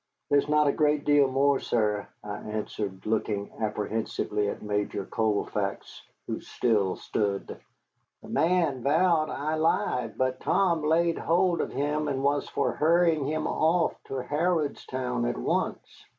"There's not a great deal more, sir," I answered, looking apprehensively at Major Colfax, who still stood. "The man vowed I lied, but Tom laid hold of him and was for hurrying him off to Harrodstown at once."